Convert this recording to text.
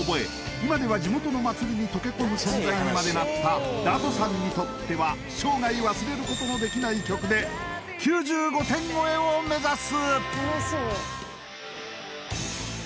今では地元の祭りに溶け込む存在にまでなったダトさんにとっては生涯忘れることのできない曲で９５点超えを目指す！